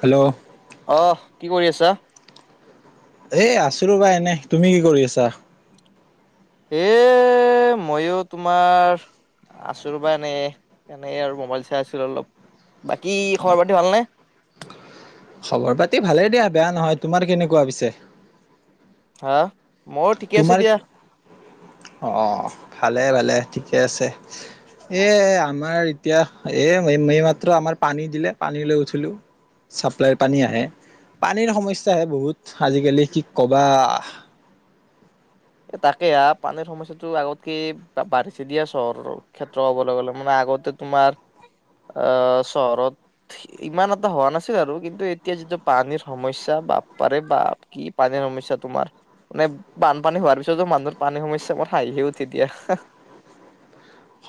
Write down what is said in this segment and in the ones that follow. Hello আহ। কি কৰি আছা? এ আছো ৰবা এনে তুমি কি কৰি আছা? এ মইো তোমাৰ আচোব এনে এনেই আৰু মোবাইল চাই আছিলো অলপ বাকী খবৰ পাতি ভালনে? খবৰ পাতি ভালে দিয়া বেয়া নহয় তোমাৰ কেনেকুৱা পিছে? হা! মোৰ ঠিকে আছে তোমাৰ দিয়া অ অ ভালে ভালে। ঠিকে আছে এ আমাৰ এতিয়া এ এইমাত্ৰ আমাৰ পানী দিলে পানী লৈ উঠিলো চাপ্লাইৰ পানী আহে পানীৰ সমস্যা হে বহুত আজিকালি কি ক'বা। তাকে হ পানীৰ সমস্যা টো আগতকে বাঢ়িছে দিয়া চহৰৰ ক্ষেত্ৰ হ'বলৈ গ'লে মানে আগতে তোমাৰ আহ চহৰত ইমান এটা হোৱা নাছিল আৰু কিন্তু এতিয়া যিটো পানীৰ সমস্যা বাপ পাৰে বা কি পানীৰ সমস্যা তোমাৰ মানে বান। পানী হোৱাৰ পিছতো মানুহৰ পানীৰ সমস্যা মোৰ হাঁহি উঠে দিয়া।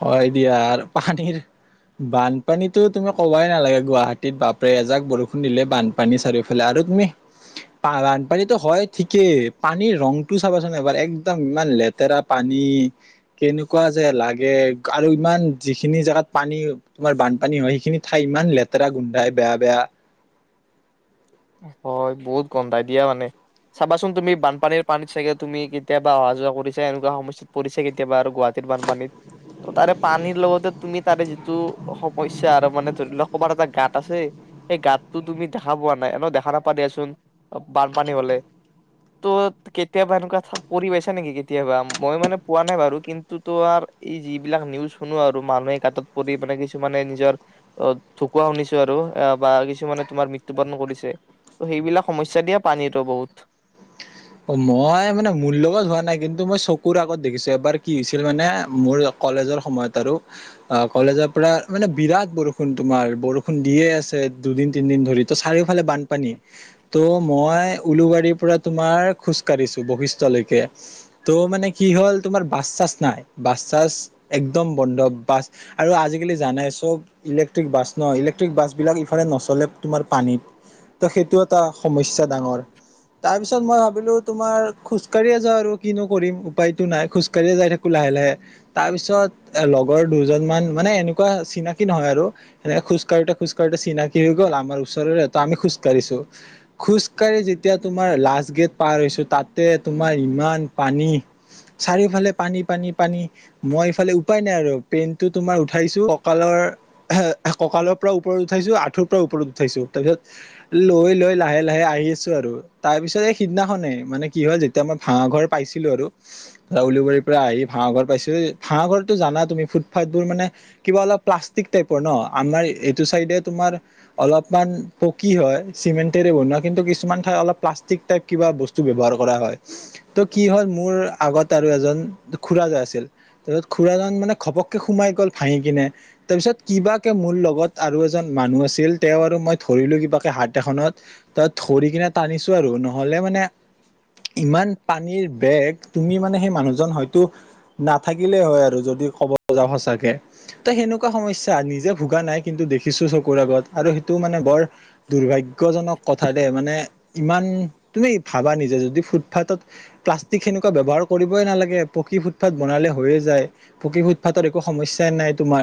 হয় দিয়া আৰু পানীৰ বানপানীতো তুমি কবাই নালাগে গুৱাহাটীত বাপৰে এজাক বৰষুণ দিলে বানপানী চাৰিওফালে আৰু তুমি বানপানীতো হয় ঠিকেই পানীৰ ৰংটো চাবাচোন এবাৰ একদম ইমান লেতেৰা পানী কেনেকুৱা যে লাগ। লাগে আৰু ইমান যিখিনি জোগাত পানী তোমাৰ বানপানী হয় সেইখিনি ঠাই ইমান লেতেৰা গোন্ধাই বেয়া বেয়া। হয় বহুত গন্ধাই দিয়া মানে চাবাচোন তুমি বানপানীৰ পানীত চাগে তুমি কেতিয়াবা অহা যোৱা কৰিছা এনেকুৱা সমস্যা পৰিছে কেতিয়াবা আৰু গুৱাহাটীৰ বানপানীত ত তাৰে পানীৰ লগতে তুমি তাৰে যিটো সমস্যা আৰু মানে ধৰি লোৱা কবাত এটা গাঁত আছে সেই গাঁততটো তুমি দেখা পোৱা নাই। দেখা নাপাও দিয়াচোন বানপানী হলে ত' কেতিয়াবা এনেকুৱা পৰি পাইছা নেকি কেতিয়াবা মই মানে পোৱা নাই বাৰু কিন্তু তোমাৰ এই যিবিলাক নিউজ শুনো আৰু মানুহে সমস্যা পৰি মানে কিছুমানে নিজৰ অ ঢুকুৱা শুনিছো আৰু বা কিছুমানে তোমাৰ মৃত্যু বৰণ কৰিছে। সেইবিলাক সমস্যা দিয়া পানীতো বহুত। মই মানে মোৰ লগত হোৱা নাই কিন্তু মই চকুৰ আগত দেখিছো এবাৰ কি হৈছিল মানে মোৰ কলেজৰ সময়ত আৰু অ কলেজৰ পৰা মানে বিৰাট বৰষুণ তোমাৰ বৰষুণ দিয়ে আছে দুদিন তিনদিন ধৰি ত চাৰিওফালে বানপানী ত' মই উলুবাৰী পৰা তোমাৰ। খোজকাঢ়িছোঁ বৈশিষ্টলৈকে ত' মানে কি হ'ল তোমাৰ বাছ চাছ নাই বাছ চাছ একদম বন্ধ বাছ আৰু আজিকালি জানাই চব ইলেক্ট্ৰিক বাছ ন ইলেক্ট্ৰিক বাছবিলাক ইফালে নচলে তোমাৰ পানীত ত' সেইটো এটা সমস্যা ডাঙৰ তাৰপিছত মই। বোলো তোমাৰ খোজ কাঢ়িয়ে যা আৰু কিনো কৰিম উপায়তো নাই খোজ কাঢ়িয়ে যাই থাকো লাহে লাহে তাৰ পিছত লগৰ দুজন মান মানে এনেকুৱা চিনাকি নহয় আৰু এনেকে খোজকাঢ়োতে খোজ কাঢ়োতে চিনাকি হৈ গ'ল আমাৰ ওচৰৰে তো আমি খোজকাঢ়িছো খোজ কাঢ়ি যেতিয়া তোমাৰ লাষ্ট গেট। পাৰ হৈছো তাতে তোমাৰ ইমান পানী চাৰিওফালে পানী পানী পানী মই ইফালে উপাই নাই আৰু পেইন টো তোমাৰ উঠাইছো কঁকালৰ কঁকালৰ পৰা ওপৰত উঠাইছো আঠুৰ পৰা ওপৰত উঠাইছো তাৰপিছত লৈ লৈ লাহে লাহে আহি আছো আৰু তাৰ পিছত। সিদিনাখনে মানে কি হয় যেতিয়া মই ভাঙা ঘৰ পাইছিলো আৰু উলুবাৰীৰ পৰা আহি ভাঙা ঘৰ পাইছিলো ভাঙা ঘৰটো জানা তুমি ফুটপাথ বোৰ মানে কিবা অলপ প্লাষ্টিক টাইপৰ ন আমাৰ এইটো চাইডে তোমাৰ অলপমান পকী হয় চিমেণ্টেৰে বনোৱা কিন্তু কিছুমান ঠাই অলপমান প্লাষ্টিক টাইপ। কিবা বস্তু ব্যৱহাৰ কৰা হয় ত' কি হ'ল মোৰ আগত আৰু এজন খুড়া আছিল তাৰপিছত খুড়াৰজন মানে ঘপককে সোমাই গ'ল ভহি কিনে তাৰ পিছত কিব কে মোৰ লগত আৰু এজন মানুহ আছিল তেওঁ আৰু মই ধৰিলো কিবাকে হাত এখনত তাত ধৰি কিনে টানিছো আৰু ন। নহলে মানে ইমান পানীৰ বেগ তুমি মানে সেই মানুহজন হয়তো নাথাকিলেই হয় আৰু যদি ক'ব যাওঁ সঁচাকে ত সেনেকুৱা সমস্যা নিজে ভোগা নাই কিন্তু দেখিছো চকুৰ আগত আৰু সেইটো মানে বৰ দুৰ্ভাগ্যয়জনক কথাদে মানে ইমান। তুমি ভাবা নিজে যদি ফুটপাথত প্লাষ্টিক সেনেকুৱা ব্যৱহাৰ কৰিবই নালাগে পকী ফুটপাথ বনালে হৈয়ে যায় পকী ফুটপাথৰ একো সমস্যাই নাই তোমাৰ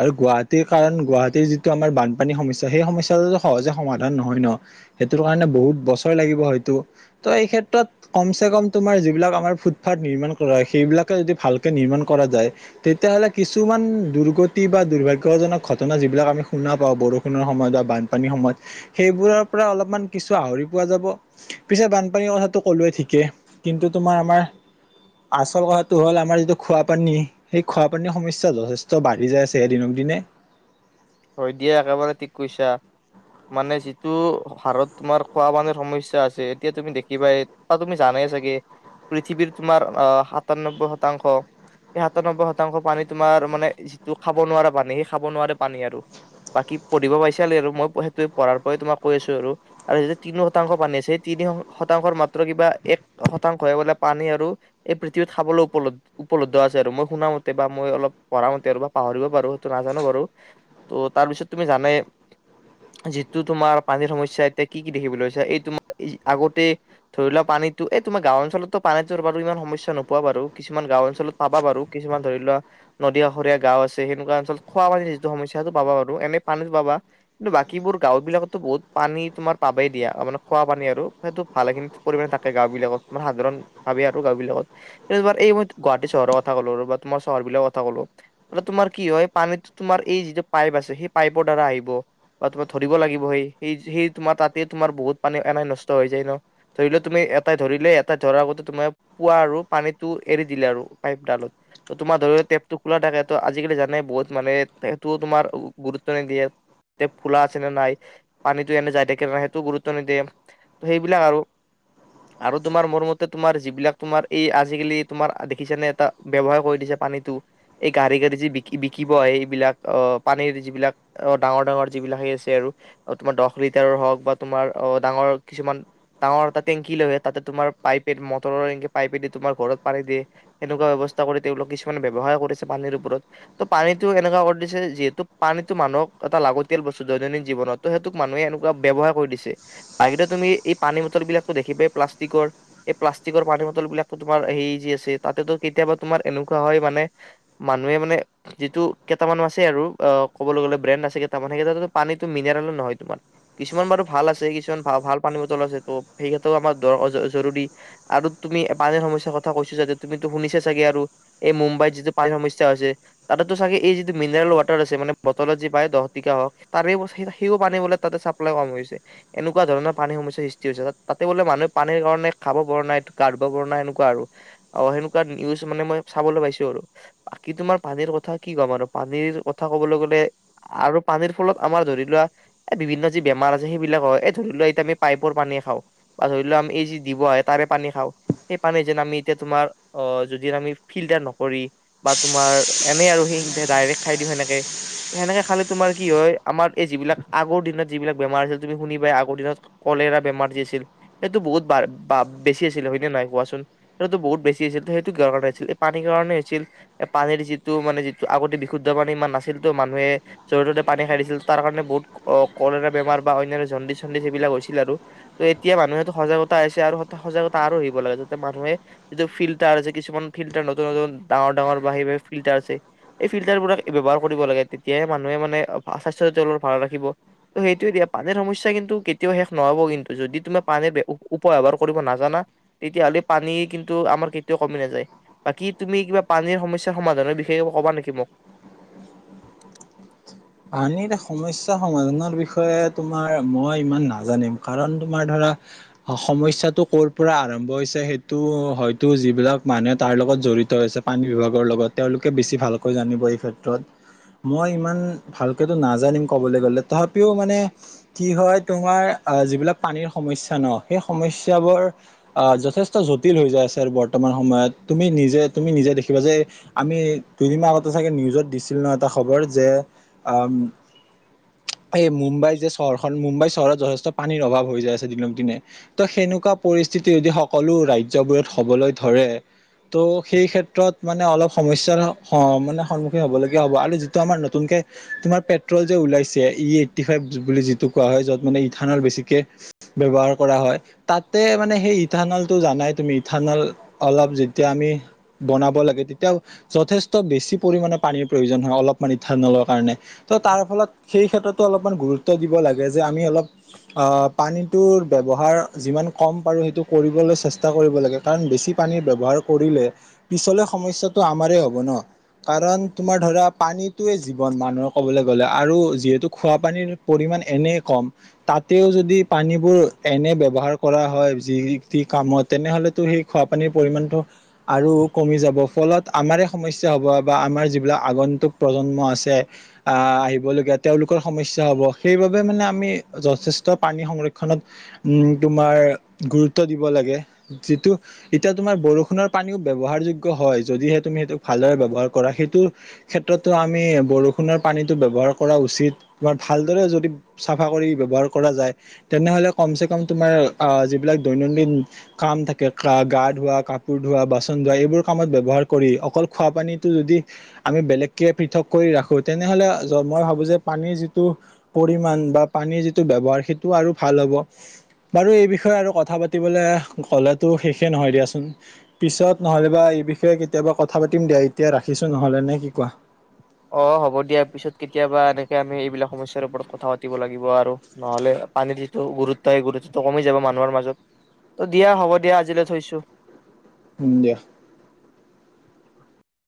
আৰু গুৱাহাটীৰ কাৰণ গুৱাহাটীৰ যিটো আমাৰ বানপানীৰ সমস্যা সেই সমস্যাটো সহজে সমাধান নহয় ন সেইটো কাৰণে বহুত বছৰ লাগিব হয়। ত' এই ক্ষেত্ৰত কম চে কম তোমাৰ যিবিলাক আমাৰ ফুটপাথ নিৰ্মাণ কৰা হয় সেইবিলাকে যদি ভালকে নিৰ্মাণ কৰা যায় তেতিয়াহ'লে কিছুমান দুৰ্গতি বা দুৰ্ভাগ্যয়জনক ঘটনা যিবিলাক আমি শুনা পাওঁ বৰষুণৰ সময়ত বা বানপানীৰ সময়ত সেইবোৰৰ পৰা অলপমান কিছু আহৰি পোৱা যাব। পিছে বানপানীৰ কথাটো ক'লোৱেই ঠিকেই কিন্তু তোমাৰ আমাৰ আচল কথাটো হ'ল আমাৰ যিটো খোৱাপানী সেই খোৱাপানীৰ সমস্যা যথেষ্ট বাঢ়ি যায় আছে দিনক দিনে। হয় দিয়া একেবাৰে ঠিক কৈছা মানে যিটো হাৰত তোমাৰ খোৱা পানীৰ সমস্যা আছে এতিয়া তুমি দেখিবা ত তুমি জানেই চাগে পৃথিৱীৰ তোমাৰ অ সাতাননব্বৈ শতাংশ এই সাতাননব্বৈ শতাংশ পানী তোমাৰ মানে যিটো খাব নোৱাৰা পানী সেই খাব নোৱাৰে পানী আৰু। বাকী পঢ়িব পাইছালি আৰু মই সেইটো পঢ়াৰ পৰাই তোমাক কৈ আছো আৰু আৰু যি তিনি শতাংশ পানী আছে স তিনি শতাংশৰ মাত্ৰ কিবা এক শতাংশ হে বোলে পানী আৰু এই পৃথিৱীত খাবলৈ উপলব্ধ আছে আৰু মই শুনা মতে বা মই অলপ পঢ়া মতে আৰু বা পাহৰিব পাৰো সেইটো নাজানো বাৰু। ত' তাৰ পিছত তুমি জানে যিটো তোমাৰ পানীৰ সমস্যা এতিয়া কি কি দেখিবলৈ এই তোমাৰ আগতে ধৰি লোৱা পানীতটো এই তোমাৰ গাওঁ অঞ্চলতো পানীটো বাৰু ইমান সমস্যা নোপোৱা বাৰু কিছুমান গাওঁ অঞ্চলত পাবা বাৰু কিছুমান ধৰি লোৱা নদীকাষৰীয়া গাওঁ আছে সেনেকুৱা অঞ্চলত খোৱা পানীৰ যিটো সমস্যা। পাবা আৰু এনে পানী পাবা কিন্তু বাকীবোৰ গাওঁ বিলাকতো বহুত পানী তোমাৰ পাবেই দিয়া মানে খোৱা পানী আৰু সেইটো ভালে খিনি পৰিমানে থাকে গাওঁ বিলাকত ত সাধাৰণ ভাবে আৰু গাওঁ বিলাকত এই মই গুৱাহাটী চহৰৰ কথা ক'লো বা তোমাৰ চহৰ বিলাকৰ কথা ক'লো তোমাৰ কি হয় পানীতো তোমাৰ এই যিটো। পাইপ আছে সেই পাইপৰ দ্বাৰা আহিব বা তোমাৰ ধৰিব লাগিব সেই সেই সেই তোমাৰ তাতে তোমাৰ বহুত পানী এনেই নষ্ট হৈ যায় ন ধৰিলে তুমি এটাই ধৰিলে এটাই ধৰাৰ আগতে তোমাৰ পুৱা আৰু পানীতটো এৰি দিলে আৰু পাইপডালত তোমাৰ ধৰিলোৱা টেপটো খোলা থাকে ত আজিকালি জানে বহুত মানে। তোমাৰ গুৰুত্ব নিদিয়ে টেপ খোলা আছে নে নাই পানীটো এনে যাই থাকে নাই সেইটো গুৰুত্ব নিদিয়ে ত সেইবিলাক আৰু আৰু তোমাৰ মোৰ মতে তোমাৰ যিবিলাক তোমাৰ এই আজিকালি তোমাৰ দেখিছা নে এটা ব্যৱসায় কৰি দিছে পানীটো এই গাড়ী গাড়ী যি বিকি বিকিব আহে এইবিলাক। অ পানীৰ যিবিলাক অ ডাঙৰ ডাঙৰ যিবিলাক সেই আছে আৰু তোমাৰ দহ লিটাৰৰ হওক বা তোমাৰ অ ডাঙৰ কিছুমান ডাঙৰ এটা টেংকি লৈ আহে তাতে তোমাৰ পাইপে মটৰৰ এক পাইপেদি তোমাৰ ঘৰত পানী দিয়ে সেনেকুৱা ব্যৱস্থা কৰি তেওঁলোকক কিছুমানে ব্যৱসায় কৰিছে পানীৰ ওপৰত ত' পানীতটো এনেকুৱা। যিহেতু পানীতটো মানুহক এটা লাগতিয়াল বস্তু দৈনন্দিন জীৱনত ত সেইটোক মানুহে এনেকুৱা ব্যৱহাৰ কৰি দিছে বাহিৰত তুমি এই পানী বটল বিলাকো দেখিবাই প্লাষ্টিকৰ এই প্লাষ্টিকৰ পানী বটল বিলাকো তোমাৰ সেই যি আছে তাতেতো কেতিয়াবা তোমাৰ এনেকুৱা হয় মানে মানুহে মানে যিটো। কেইটামান আছে আৰু অ কবলৈ গলে ব্ৰেণ্ড আছে কেইটামান সেইকেইটাতো পানীতো মিনাৰেলো নহয় তোমাৰ কিছুমান বাৰু ভাল আছে কিছুমান ভাল ভাল পানী বটল আছে ত সেইতো আমাৰ জৰুৰী আৰু তুমি পানীৰ সমস্যাৰ কথা কৈছো যাতে তুমিটো শুনিছা চাগে। আৰু এই মুম্বাইত যিটো পানীৰ সমস্যা হৈছে তাতেটো চাগে এই। মিনাৰেল ৱাটাৰ আছে মানে বটলত যি পায় দহ টকীয়া হওক তাৰে সেইও পানী বোলে তাতে চাপ্লাই কম হৈছে এনেকুৱা ধৰণৰ পানী সমস্যাৰ সৃষ্টি হৈছে তাতে বোলে মানুহে পানীৰ কাৰণে খাব পৰা নাই গা ধুব পৰা নাই এনেকুৱা আৰু সেনেকুৱা নিউজ মানে ম চাবলৈ পাইছোঁ আৰু বাকী তোমাৰ পানীৰ কথা কি ক'ম আৰু। পানীৰ কথা কবলৈ গ'লে আৰু পানীৰ ফলত আমাৰ ধৰি লোৱা বিভিন্ন যি বেমাৰ আছে সেইবিলাক হয় এই ধৰি লোৱা এতিয়া আমি পাইপৰ পানীয়ে খাওঁ বা ধৰি লোৱা আমি এই যি দিব আহে তাৰে পানী খাওঁ সেই পানী যেন আমি এতিয়া তোমাৰ অ যদি আমি ফিল্টাৰ নকৰি বা তোমাৰ এনেই আৰু সেই। ডাইৰেক্ট খাই দিওঁ সেনেকে সেনেকে খালে তোমাৰ কি হয় আমাৰ এই যিবিলাক আগৰ দিনত যিবিলাক বেমাৰ আছিল তুমি শুনিবাই আগৰ দিনত কলেৰা বেমাৰ যি আছিল সেইটো বহুত বেছি আছিল হয়নে নহয় কোৱাচোন সেইটো বহুত বেছি আছিল সেইটো কি কাৰণে হৈছিল এই পানীৰ কাৰণে হৈছিল পানীৰ যিটো মানে। আগতে বিশুদ্ধ পানী ইমান নাছিল তো মানুহে য'তে ত'তে পানী খাই দিছিল তাৰ কাৰণে বহুত অ কলেৰা বেমাৰ বা অন্যন্য জণ্ডিচ চণ্ডিচ এইবিলাক হৈছিল আৰু ত' এতিয়া মানুহেতো সজাগতা আছে আৰু সজাগতা আৰু আহিব লাগে যাতে মানুহে যিটো ফিল্টাৰ আছে কিছুমান ফিল্টাৰ নতুন নতুন ডাঙৰ ডাঙৰ বা সেইবোৰ ফিল্টাৰ আছে। এই ফিল্টাৰবোৰক ব্যৱহাৰ কৰিব লাগে তেতিয়াহে মানুহে মানে স্বাস্থ্য ভাল ৰাখিব ত সেইটো দিয়া পানীৰ সমস্যা কিন্তু কেতিয়াও শেষ নহব কিন্তু যদি তুমি পানীৰ। উপব্যৱহাৰ কৰিব নাজানা তেতিয়াাহলে পানী কিন্তু আমাৰ কেতিয়াও কমি নাযায় বাকী তুমি কিবা পানীৰ সমস্যা সমাধানৰ সেই ক'বা নেকি মোক। পানীৰ সমস্যা সমাধানৰ বিষয়ে তোমাৰ মই ইমান নাজানিম কাৰণ তোমাৰ ধৰা সমস্যাটো ক'ৰ পৰা আৰম্ভ হৈছে সেইটো হয়তো যিবিলাক মানুহে তাৰ লগত জড়িত হৈছে পানী বিভাগৰ লগত তেওঁলোকে বেছি ভালকৈ জানিব এই ক্ষেত্ৰত মই ইমান। ভালকে টো নাজানিম কবলৈ গলে তথাপিও মানে কি হয় তোমাৰ আহ যিবিলাক পানীৰ সমস্যা ন সেই সমস্যাবোৰ আহ যথেষ্ট জটিল হৈ যায় আছে আৰু বৰ্তমান সময়ত তুমি নিজে তুমি নিজে দেখিবা যে আমি দুদিন আগতে চাগে নিউজত দিছিল ন এটা খবৰ যে। আ এই মুম্বাই যে চহৰখন মুম্বাই চহৰত যথেষ্ট পানীৰ অভাৱ হৈ যায় আছে দিনক দিনে ত' সেনেকুৱা পৰিস্থিতি যদি সকলো ৰাজ্যবোৰত হবলৈ ধৰে ত' সেই ক্ষেত্ৰত মানে অলপ সমস্যায়াৰ মানে সন্মুখীন হ'বলগীয়া হ'ব আৰু যিটো আমাৰ নতুনকে তোমাৰ পেট্ৰল যে ওলাইছে ই এইটটি ফাইভ বুলি যিটো কোৱা হয় য'ত মানে ইথানল বেছিকে ব্যৱহাৰ কৰা হয় তাতে মানে সেই ইথানলটো জানাই তুমি, ইথানল অলপ যেতিয়া আমি বনাব লাগে তেতিয়া যথেষ্ট বেছি পৰিমণে পানীৰ প্ৰয়োজন হয় অলপমান ইথানলত। কাৰণে ত' তাৰ ফলত সেই ক্ষেত্ৰতো অলপমান গুৰুত্ব দিব লাগে যে আমি অলপ পানী তো ব্যৱহাৰ যিমান কম পাৰোঁ কৰিবলে চেষ্টা কৰিব লাগে। কাৰণ বেছি পানী ব্যৱহাৰ পিছলৈ সমস্যাটো আমাৰে হব ন কাৰণ তোমাৰ ধৰা ন পানীতোয়ে মানুহৰ ক'বলৈ গ'লে আৰু যিহেতু খোৱাপানীৰ পৰিমাণ এনে কম তাতেও যদি পানীবোৰ এনে ব্যৱহাৰ কৰা হয় যি যি কামত তেনেহলেতো সেই খোৱাপানীৰ পৰিমণটো আৰু কমি যাব ফলত আমাৰে সমস্যা হ'ব বা আমাৰ যিবিলাক আগন্তুক প্ৰজন্ম আছে। আহ আহিবলগীয়া তেওঁলোকৰ সমস্যা হ'ব সেইবাবে মানে আমি যথেষ্ট পানী সংৰক্ষণত উম তোমাৰ গুৰুত্ব দিব লাগে যিটো এতিয়া তোমাৰ বৰষুণৰ পানীও ব্যৱহাৰ যোগ্য হয় যদিহে তুমি সেইটো ভালদৰে ব্যৱহাৰ কৰা সেইটোৰ ক্ষেত্ৰতো আমি বৰষুণৰ পানীটো ব্যৱহাৰ কৰা উচিত, তোমাৰ ভালদৰে যদি চাফা কৰি ব্যৱহাৰ কৰা যায় তেনেহ'লে কমচে কম তোমাৰ যিবিলাক দৈনন্দিন কাম থাকে গা ধোৱা, কাপোৰ ধোৱা, বাচন ধোৱা, এইবোৰ কামত ব্যৱহাৰ কৰি অকল খোৱা পানীটো যদি আমি বেলেগকে পৃথক কৰি ৰাখো তেনেহলে মই ভাবো যে পানীৰ যিটো পৰিমাণ বা পানীৰ যিটো ব্যৱহাৰ সেইটো আৰু ভাল হ'ব বাৰু এই বিষয়ে আৰু কথা পাতিবলৈ কলেতো শেষে নহয় দিয়াচোন পিছত নহ'লে বা এই বিষয়ে কেতিয়াবা কথা পাতিম দিয়া এতিয়া ৰাখিছো নহ'লে নে কি কোৱা। অ' হ'ব দিয়া পিছত কেতিয়াবা এনেকে আমি এইবিলাক সমস্যাৰ ওপৰত কথা পাতিব লাগিব আৰু নহ'লে পানীৰ যিটো গুৰুত্ব সেই গুৰুত্বটো কমি যাব মানুহৰ মাজত। ত দিয়া হ'ব দিয়া আজিলৈ থৈছো। উম, দিয়া।